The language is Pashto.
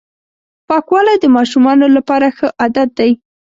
پاکوالی د ماشومانو لپاره ښه عادت دی.